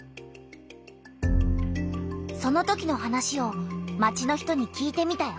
そのときの話を町の人に聞いてみたよ。